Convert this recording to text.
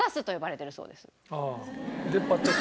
ああ。